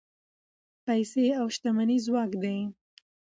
پیسې او شتمني ځواک دی.